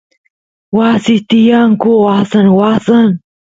wasis tiyanku wasan wasan